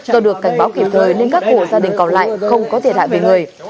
do được cảnh báo kịp thời nên các hộ gia đình còn lại không có thể đại về người